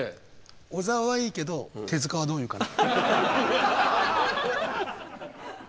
小沢はいいけど手はどう言うかな。